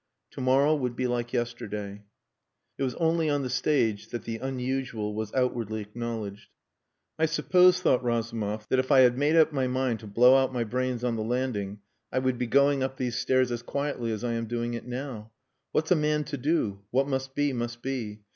To morrow would be like yesterday. It was only on the stage that the unusual was outwardly acknowledged. "I suppose," thought Razumov, "that if I had made up my mind to blow out my brains on the landing I would be going up these stairs as quietly as I am doing it now. What's a man to do? What must be must be.